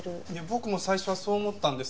僕も最初はそう思ったんです。